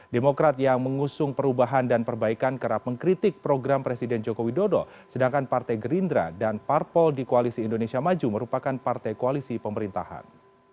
demokrat yang mengusung perubahan dan perbaikan kerap mengkritik program presiden joko widodo sedangkan partai gerindra dan parpol di koalisi indonesia maju merupakan partai koalisi pemerintahan